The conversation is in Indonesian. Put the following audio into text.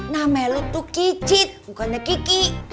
nama lo tuh kicit bukannya kiki